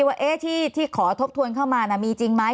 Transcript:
ว่าที่ขอทบทวนเข้ามามีจริงไหม